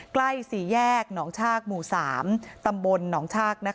ใกล้สี่แยกหนองชากหมู่๓ตำบลหนองชาก